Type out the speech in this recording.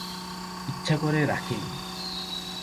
ইচ্ছে করে রাখি নি।